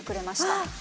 あっ。